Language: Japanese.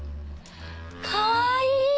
かわいい！